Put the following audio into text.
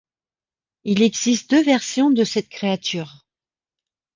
Il existe deux versions de cette créature.